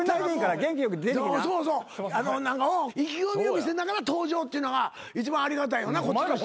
意気込みを見せながら登場っていうのが一番ありがたいよなこっちとしては。